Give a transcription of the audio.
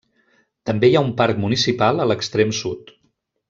També hi ha un parc municipal a l'extrem sud.